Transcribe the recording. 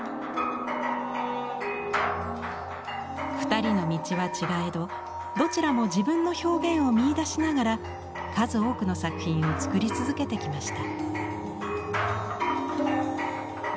２人の道は違えどどちらも自分の表現を見いだしながら数多くの作品を作り続けてきました。